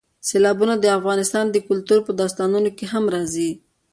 سیلابونه د افغان کلتور په داستانونو کې هم راځي.